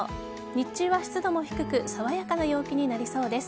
日中は湿度も低く爽やかな陽気になりそうです。